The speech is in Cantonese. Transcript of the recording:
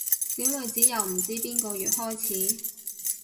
小女子由唔知邊個月開始